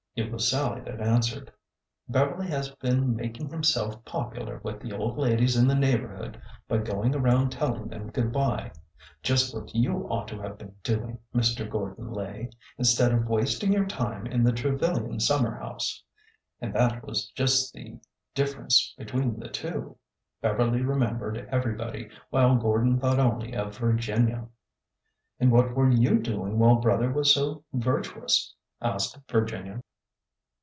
It was Sallie that answered. '' Beverly has been making himself popular with the old ladies in the neighborhood by going around telling them good by, — just what you ought to have been doing, Mr. Gordon Lay, instead of wasting your time in the Trevilian summer house." And that was just the. differ ence between the two. Beverly remembered everybody, while Gordon thought only of Virginia. '' And what were you doing while brother was so vir tuous ?" asked Virginia.